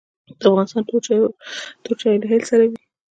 د افغانستان تور چای له هل سره وي